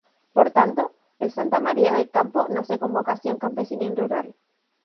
Por tanto, el Santa María del Campo nace con vocación campesina y rural.